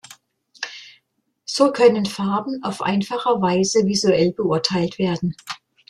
So können Farben auf einfache Weise visuell beurteilt werden.